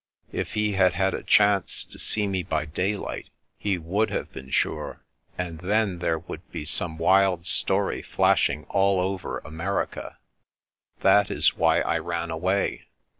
If he had had a chance to see me by daylight, he would have been sure, and then there would be some wild story flashing all over America. That is why I ran away.